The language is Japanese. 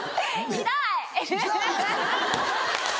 「ひどい！」。